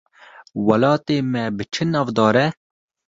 Welatê me bi çi navdar e?